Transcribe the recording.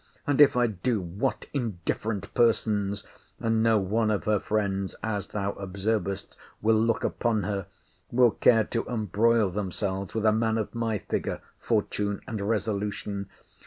and if I do, what indifferent persons, [and no one of her friends, as thou observest, will look upon her,] will care to embroil themselves with a man of my figure, fortune, and resolution?